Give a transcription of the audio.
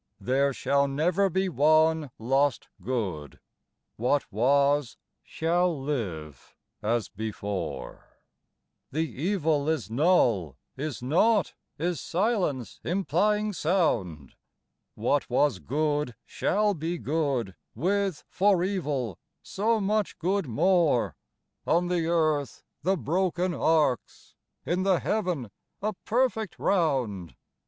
There shall never be one lost good ! What was, shall live as before; The evil is null, is nought, is silence im plying sound ; bg IRobcit Browning. 13 What was good shall be good, with, for evil, so much good more, On the earth the broken arcs; in the heaven a perfect round.